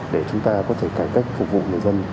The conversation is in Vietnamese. để chúng ta có thể cải cách phục vụ người dân